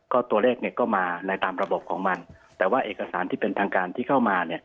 ก็ตัวเลขเนี่ยก็มาในตามระบบของมันแต่ว่าเอกสารที่เป็นทางการที่เข้ามาเนี่ย